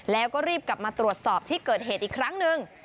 แล้วก็รีบกลับมาตรวจสอบที่เกิดเหตุอีกครั้งหนึ่ง